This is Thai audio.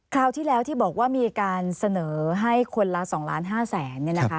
คราวที่แล้วที่บอกว่ามีการเสนอให้คนละ๒ล้าน๕แสน